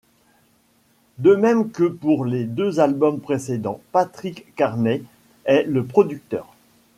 De même que pour les deux albums précédents, Patrick Carney est le producteur.